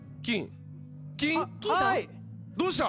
どうした？